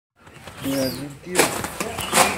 ¡ me has mentido!